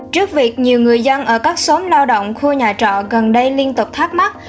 trước việc nhiều người dân ở các xóm lao động khu nhà trọ gần đây liên tục thắc mắc